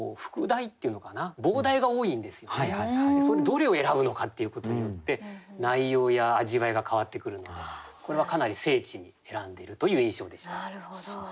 どれを選ぶのかっていうことによって内容や味わいが変わってくるのでこれはかなり精緻に選んでるという印象でした。